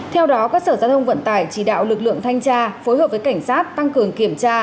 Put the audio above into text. theo đó các sở giao thông vận tải chỉ đạo lực lượng thanh tra phối hợp với cảnh sát tăng cường kiểm tra